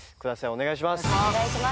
お願いします。